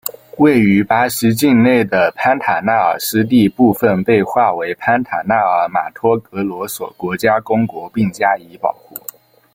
位于巴西境内的潘塔纳尔湿地部份被划为潘塔纳尔马托格罗索国家公国并加以保护。